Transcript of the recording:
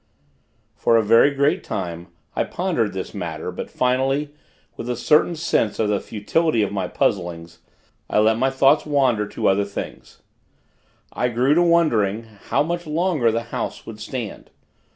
_ For a very great time, I pondered this matter; but, finally, with a certain sense of the futility of my puzzlings, I let my thoughts wander to other things. I grew to wondering, how much longer the house would stand.